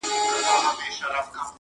سترګي چي مي پټي سي مالِک د تاج محل یمه -